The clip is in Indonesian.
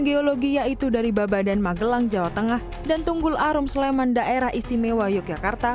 geologi yaitu dari babadan magelang jawa tengah dan tunggul arum sleman daerah istimewa yogyakarta